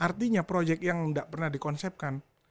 artinya projek yang nggak pernah dikonsepkan